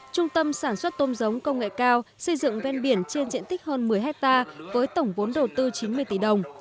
trung tâm sản xuất tôm giống công nghệ cao xây dựng ven biển trên diện tích hơn một mươi hectare với tổng vốn đầu tư chín mươi tỷ đồng